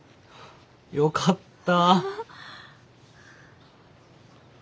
よかった。